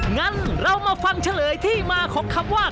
งั้นเรามาฟังเฉลยที่มาของคำว่า